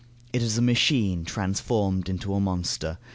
It is a machine transformed into a monster.